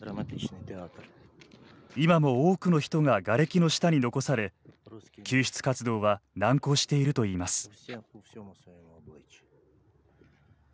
今も多くの人ががれきの下に残され救出活動は難航しているといいます。